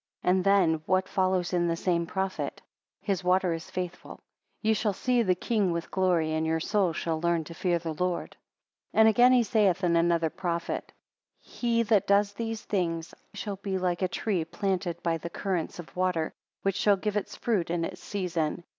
And then, what follows in the same prophet? His water is faithful; ye shall see the king with glory, and your soul shall learn the fear of the Lord. 7 And again he saith in another prophet: He that does these things; I shall be like a tree planted by the currents of water, which shall give its fruit in its season.